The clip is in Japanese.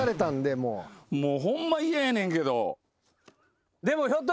もうホンマ嫌やねんけど。